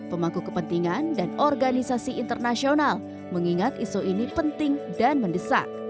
pemangku kepentingan dan organisasi internasional mengingat isu ini penting dan mendesak